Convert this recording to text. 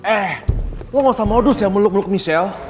eh lo gak usah modus ya meluk meluk michelle